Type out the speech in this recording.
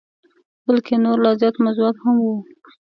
بلکه نور لا زیات موضوعات هم وه.